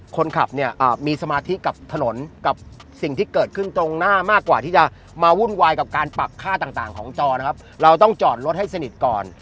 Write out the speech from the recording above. คนขับเนี่ยมีสมาธิกับถนนกับสิ่งที่เกิดขึ้นตรงหน้ามากกว่าที่จะมาวุ่นวายกับการปักค่าต่างของจอนะครับเราต้องจอดรถให้สนิทก่อน